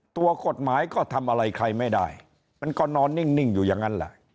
ตัวกฎหมายก็ทำอะไรใครไม่ได้มันก็นอนนิ่งอยู่อย่างนั้นแหละ